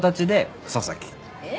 えっ？